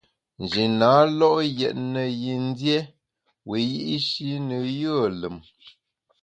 Nji na lo’ yètne yin dié wiyi’shi ne yùe lùm.